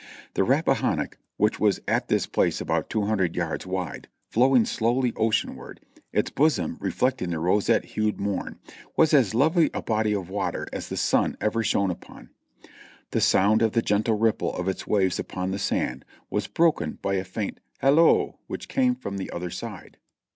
The Rappahannock, which was at this place about two hundred yards wide, flowing slowly oceanward, its bosom reflecting the roseate hued morn, was as lovely a body of water as the sun ever shone upon. The sound of the gentle ripple of its waves upon the sand was broken by a faint "halloo" which came from the other side.